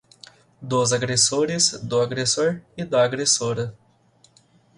dos agressores, do agressor e da agressora